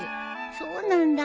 そうなんだ。